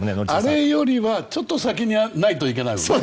アレよりはちょっと先にないといけないわけだね。